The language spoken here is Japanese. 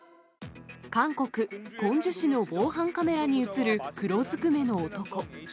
韓国・コンジュ市の防犯カメラに写る黒ずくめの男。